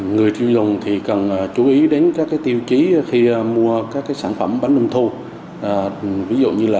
người tiêu dùng cần chú ý đến các tiêu chí khi mua các sản phẩm bánh trung thu ví dụ như là